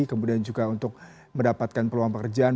kemudian juga untuk mendapatkan peluang pekerjaan